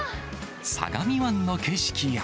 相模湾の景色や。